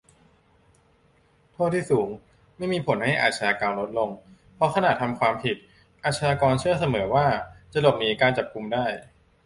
"โทษที่สูงไม่มีผลให้อาชญากรรมลดลง เพราะขณะทำความผิดอาชญากรเชื่อเสมอว่าจะหลบหนีการจับกุมได้"